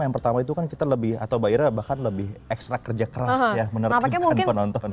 yang pertama itu kan kita lebih atau mbak ira bahkan lebih ekstra kerja keras ya menertibkan penonton